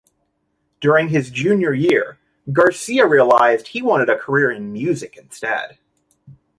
During his junior year, Garcia realized he wanted a career in music instead.